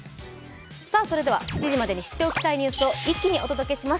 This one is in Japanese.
それでは、７時までに知っておきたいニュースを一気にお届けします。